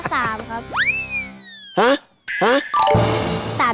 เรียนดีไหมครับเรียนดีไหมครับ